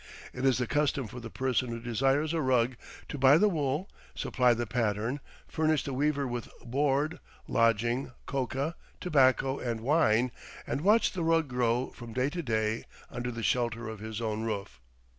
It is the custom for the person who desires a rug to buy the wool, supply the pattern, furnish the weaver with board, lodging, coca, tobacco and wine, and watch the rug grow from day to day under the shelter of his own roof.